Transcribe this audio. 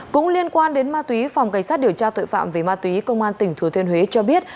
cũng liên quan đến ma túy phòng cảnh sát điều tra tội phạm về ma túy công an tỉnh thừa thiên huế cho biết